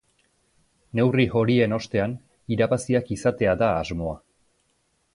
Neurri horien ostean irabaziak izatea da asmoa.